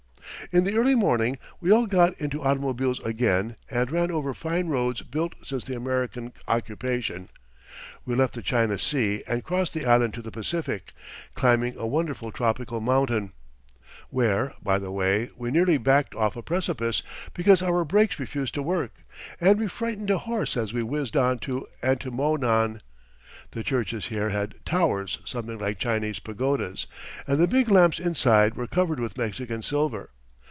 In the early morning we all got into automobiles again and ran over fine roads built since the American occupation. We left the China Sea and crossed the island to the Pacific, climbing a wonderful tropical mountain, where, by the way, we nearly backed off a precipice because our brakes refused to work, and we frightened a horse as we whizzed on to Antimonan. The churches here had towers something like Chinese pagodas, and the big lamps inside were covered with Mexican silver.